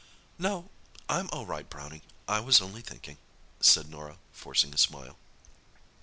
"No, I'm all right, Brownie. I was only thinking," said Norah, forcing a smile.